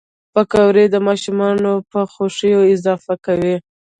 پکورې د ماشومانو په خوښیو اضافه کوي